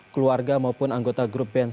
keluarga maupun anggota grup band tujuh belas